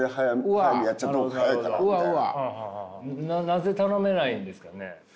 なぜ頼めないんですかね？